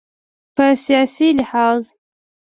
په سیاسي لحاظ